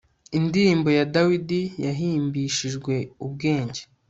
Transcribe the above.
indirimbo ya dawidi yahimbishijwe ubwenge